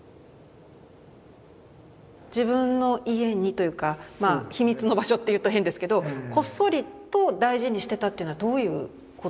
自分の家にというかまあ秘密の場所っていうと変ですけどこっそりと大事にしてたっていうのはどういうことだと思われます？